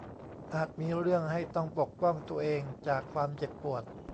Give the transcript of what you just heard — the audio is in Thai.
อาจมีเรื่องให้ต้องปกป้องตัวเองจากความเจ็บปวด